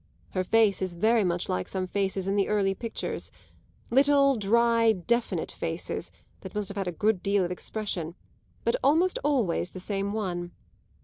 Her face is very much like some faces in the early pictures; little, dry, definite faces that must have had a good deal of expression, but almost always the same one.